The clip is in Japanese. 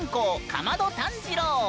竈門炭治郎。